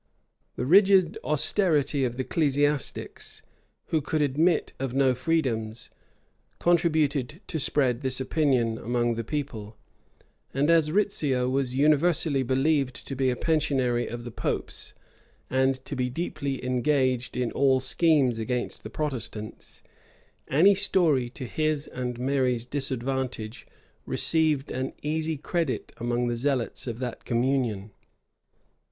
The rigid austerity of the ecclesiastics, who could admit of no freedoms, contributed to spread this opinion among the people; and as Rizzio was universally believed to be a pensionary of the pope's, and to be deeply engaged in all schemes against the Protestants, any story to his and Mary's disadvantage received an easy credit among the zealots of that communion.